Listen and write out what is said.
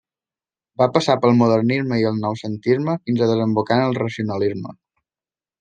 Va passar pel modernisme i el noucentisme fins a desembocar en el racionalisme.